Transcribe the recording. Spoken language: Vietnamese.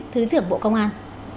thứ trưởng bộ công an